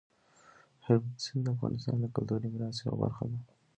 هلمند سیند د افغانستان د کلتوري میراث یوه برخه ده.